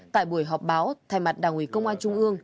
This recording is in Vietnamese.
tại buổi họp báo thay mặt đảng ủy công an trung ương